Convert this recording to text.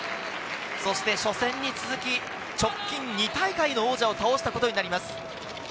初戦に続き、直近２大会の王者を倒したことになります。